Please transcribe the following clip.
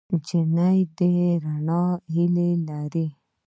نجلۍ د رڼا هیلې لري.